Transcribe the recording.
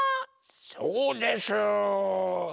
そうです！